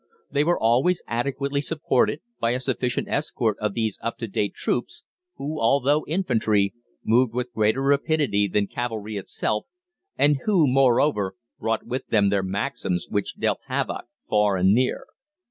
They were always adequately supported by a sufficient escort of these up to date troops, who, although infantry, moved with greater rapidity than cavalry itself, and who, moreover, brought with them their Maxims, which dealt havoc far and near.